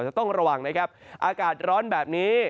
ต้องระวังนะครับอากาศร้อนแบบนี้